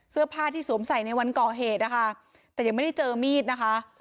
เสื้อผ้าที่สวมใส่ในวันก่อเหตุนะคะแต่ยังไม่ได้เจอมีดนะคะ